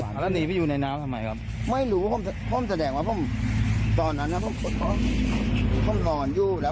ก็อันนี้นี่ฮูต้องหน่อยเลย